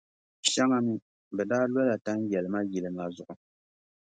Shɛŋa mi, bɛ daa lola tanʼ yɛlima yili ŋa zuɣu.